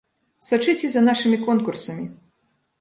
Сачыце за нашымі конкурсамі!